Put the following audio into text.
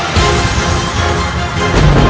terima kasih ayahanda prabu